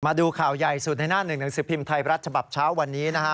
มาดูข่าวใหญ่สุดในหน้าหนึ่งหนังสือพิมพ์ไทยรัฐฉบับเช้าวันนี้นะฮะ